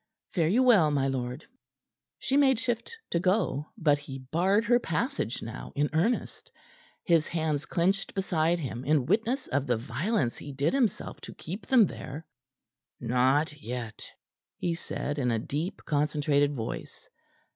Fare you well, my lord." She made shift to go, but he barred her passage now in earnest, his hands clenched beside him in witness of the violence he did himself to keep them there. "Not yet," he said, in a deep, concentrated voice.